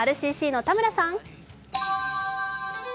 ＲＣＣの田村さん。